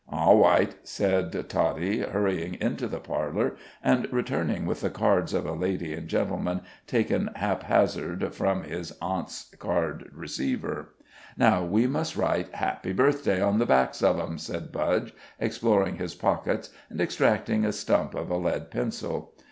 "Aw right," said Toddie, hurrying into the parlor,'and returning with the cards of a lady and gentleman, taken haphazard from his aunt's card receiver. "Now, we must write 'Happy Birthday' on the backs of 'em," said Budge, exploring his pockets, and extracting a stump of a lead pencil.